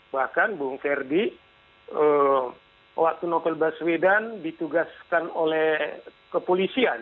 bahkan bung ferdi waktu novel baswedan ditugaskan oleh kepolisian